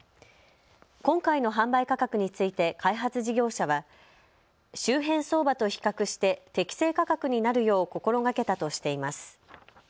今回の販売価格について開発事業者は周辺相場と比較して適正価格になるよう心がけたとしています。